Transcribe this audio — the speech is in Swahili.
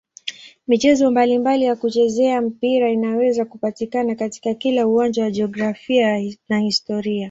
Michezo mbalimbali ya kuchezea mpira inaweza kupatikana katika kila uwanja wa jiografia na historia.